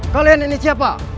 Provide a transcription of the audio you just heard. kalian ini siapa